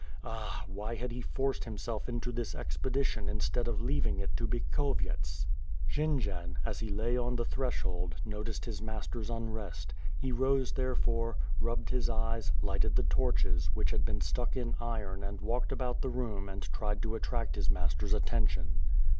Ah! why had he forced himself into this expedition instead of leaving i t to Bikhovyets?" Jendzian, as he la) on the threshold, noticed his master's', unrest; he rose therefore, rubbed his eyes, lighted the torches, which had been stuck in iron and walked about the room and tried to attract his mastor\«i attention.